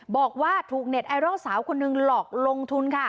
บอกว่าถูกเน็ตไอดอลสาวคนหนึ่งหลอกลงทุนค่ะ